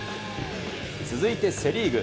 続いてセ・リーグ。